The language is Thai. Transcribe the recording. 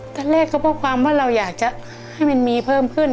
ตอนแรกก็เพราะความว่าเราอยากจะให้มันมีเพิ่มขึ้น